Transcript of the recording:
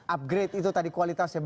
upgrade itu tadi kualitas ya bang